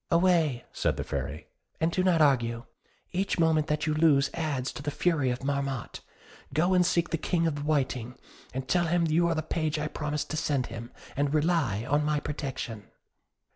"Away," said the Fairy, "and do not argue; each moment that you lose adds to the fury of Marmotte. Go and seek the King of the Whiting; tell him you are the page I promised to send him, and rely on my protection."